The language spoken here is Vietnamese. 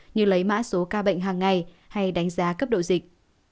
như lấy mã số ca bệnh hàng ngày hay đánh giá cấp độ dịch